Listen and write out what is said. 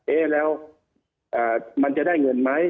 เอ๊ะแล้วมันจะได้เงินไหม